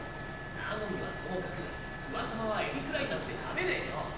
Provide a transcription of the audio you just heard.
⁉和実はともかく芙羽さまはエビフライなんて食べねぇよ